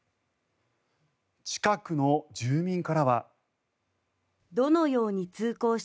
近くの住民からは。